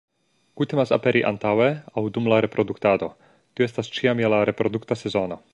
Kutimas aperi antaŭe aŭ dum la reproduktado, tio estas ĉiam je la reprodukta sezono.